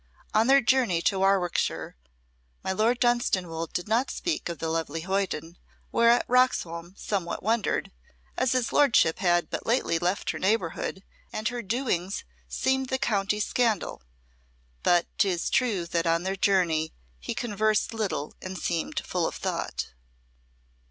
On their journey to Warwickshire my Lord Dunstanwolde did not speak of the lovely hoyden, whereat Roxholm somewhat wondered, as his lordship had but lately left her neighbourhood and her doings seemed the county's scandal; but 'tis true that on their journey he conversed little and seemed full of thought.